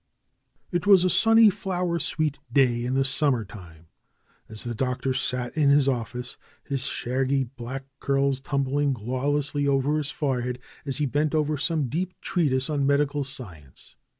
It was a sunny, flower sw^eet day in the summer time, as the Doctor sat in his office, his shaggy black curls tumbling lawlessly over his forehead as he bent over some deep treatise on medical science.